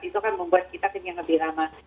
itu kan membuat kita ketinggalan lebih lama